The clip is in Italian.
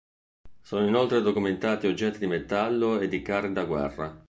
Sono inoltre documentati oggetti di metallo e di carri da guerra.